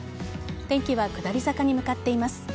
天気は下り坂に向かっています。